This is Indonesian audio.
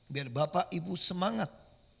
biar bapak ibu semangat